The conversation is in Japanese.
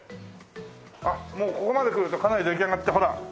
あっもうここまでくるとかなり出来上がってほら。